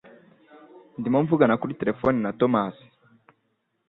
Ndimo mvugana kuri terefone na Tomasi.